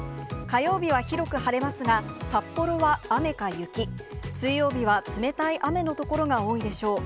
火曜日は広く晴れますが、札幌は雨か雪、水曜日は冷たい雨の所が多いでしょう。